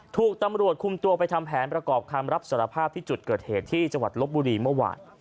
ถูกตำรวจคุมตัวไปทำแผนประกอบคำรับสารภาพที่จุดเกิดเหตุที่จังหวัดลบบุรีเมื่อวาน